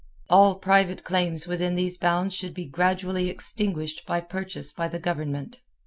All private claims within these bounds should be gradually extinguished by purchase by the Government.